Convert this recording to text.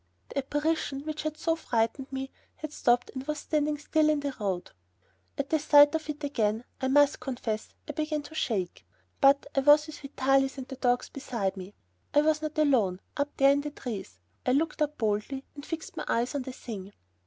The apparition, which had so frightened me, had stopped and was standing still in the road. At the sight of it again, I must confess, I began to shake, but I was with Vitalis and the dogs were beside me. I was not alone up there in the trees.... I looked up boldly and fixed my eyes on the Thing.